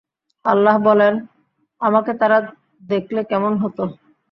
আল্লাহ বলেন, আমাকে তারা দেখলে কেমন হতো?